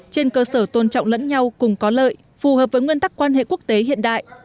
trên cơ sở tôn trọng lẫn nhau cùng có lợi phù hợp với nguyên tắc quan hệ quốc tế hiện đại